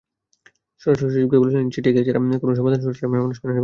স্বরাষ্ট্রসচিবকে বলেছেন, চেটিয়াকে ছাড়া কোনো সমাধানসূত্র আসামের মানুষ মেনে নেবে না।